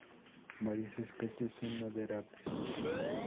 Varias especies son maderables.